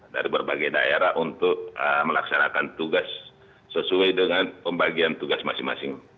dari berbagai daerah untuk melaksanakan tugas sesuai dengan pembagian tugas masing masing